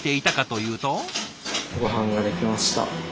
ごはんができました。